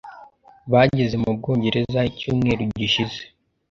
Bageze mu Bwongereza icyumweru gishize .